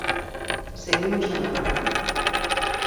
Seguimos en agarda.